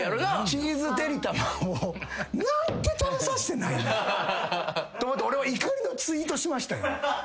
チーズてりたまを何で食べさせてないねん！と思って俺は怒りのツイートしましたよ。